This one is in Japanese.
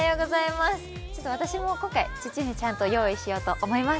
私も今回、父にちゃんと用意しようと思います。